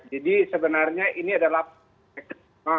jadi sebenarnya ini adalah